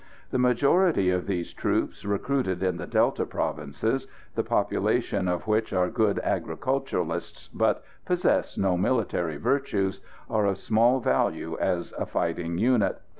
The majority of these troops, recruited in the Delta provinces the population of which are good agriculturists, but possess no military virtues are of small value as a fighting unit.